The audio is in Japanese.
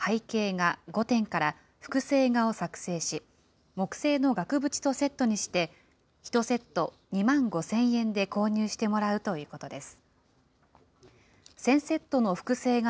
画５点から複製画を作成し、木製の額縁とセットにして、１セット２万５０００円で購入してもらうということです。